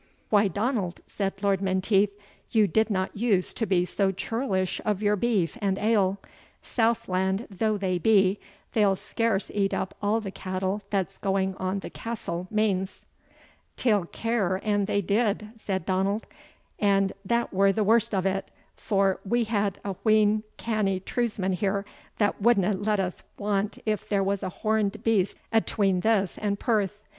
"Why, Donald," said Lord Menteith, "you did not use to be so churlish of your beef and ale; southland though they be, they'll scarce eat up all the cattle that's going on the castle mains." "Teil care an they did," said Donald, "an that were the warst o't, for we have a wheen canny trewsmen here that wadna let us want if there was a horned beast atween this and Perth.